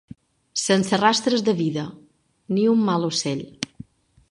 Sense rastres de vida, ni un mal ocell.